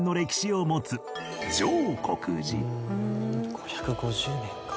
「５５０年か」